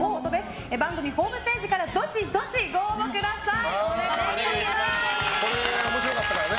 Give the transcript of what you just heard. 番組ホームページからどしどしご応募ください！